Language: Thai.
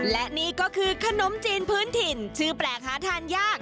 และนี่ก็คือขนมจีนพื้นถิ่นชื่อแปลกหาทานยาก